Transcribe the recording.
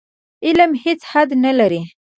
علم هېڅ حد نه لري.